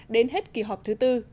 đến hết kỳ họp thứ tư